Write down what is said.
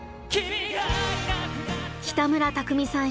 北村匠海さん